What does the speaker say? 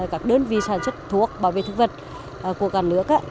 các đơn vị sản xuất thuốc bảo vệ thực vật của cả nước